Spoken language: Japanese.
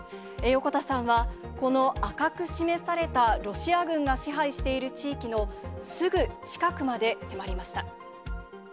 横田さんはこの赤く示されたロシア軍が支配している地域のすぐ近くまで迫りました。